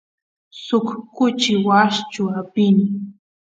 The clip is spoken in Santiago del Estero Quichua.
suk kuchi washchu apini